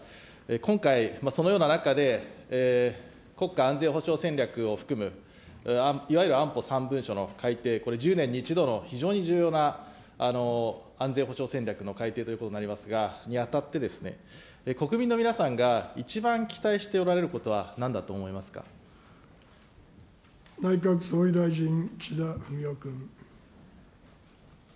まず冒頭、総理にお伺いしたいんですが、今回、そのような中で国家安全保障戦略を含むいわゆる安保３文書の改訂、これ、１０年に１度の非常に重要な安全保障戦略の改訂ということになりますが、にあたって、国民の皆さんが一番期待しておられることは内閣総理大臣、岸田文雄君。